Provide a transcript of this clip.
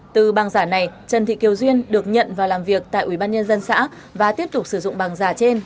từ bằng giả này trần thị kiều duyên được nhận vào làm việc tại ubnd xã và tiếp tục sử dụng bằng giả trên